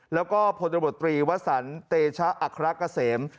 แล้วก็พธศเตชะอัคระกะเสม